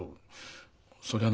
そりゃな。